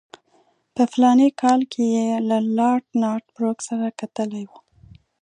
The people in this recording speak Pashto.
په فلاني کال کې یې له لارډ نارت بروک سره کتلي وو.